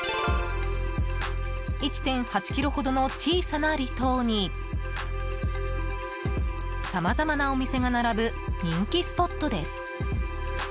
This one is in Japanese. １．８ｋｍほどの小さな離島にさまざまなお店が並ぶ人気スポットです。